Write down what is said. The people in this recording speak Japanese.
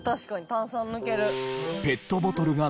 炭酸抜ける。